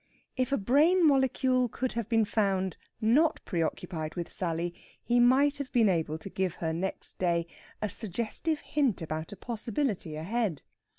If a brain molecule could have been found not preoccupied with Sally he might have been able to give her next day a suggestive hint about a possibility ahead.